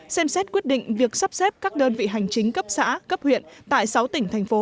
xem xét quyết định việc sắp xếp các đơn vị hành chính cấp xã cấp huyện tại sáu tỉnh thành phố